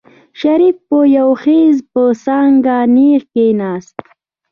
شريف په يو خېز په څانګه نېغ کېناست.